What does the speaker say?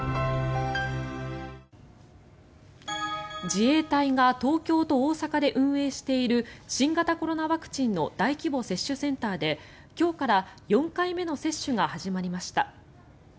自衛隊が東京と大阪で運営している新型コロナワクチンの大規模接種センターで今日から４回目の接種が始まりました。